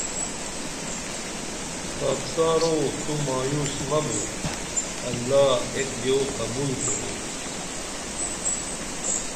خاکسارو تو مایوس مہ بُو اللہ ایک دیو قبول کورو